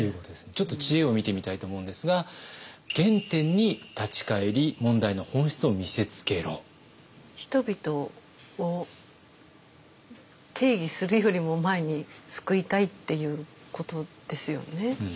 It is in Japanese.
ちょっと知恵を見てみたいと思うんですが人々を定義するよりも前に救いたいっていうことですよね。